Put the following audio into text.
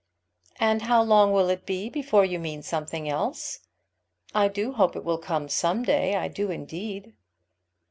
"And how long will it be before you mean something else? I do hope it will come some day, I do indeed."